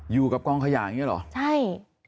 อยู่กับกองขยะอย่างนี้เหรอใช่